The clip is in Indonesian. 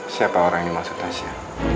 siapa orang yang masuk tasnya